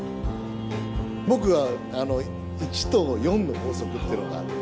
僕１と４の法則っていうのがあって。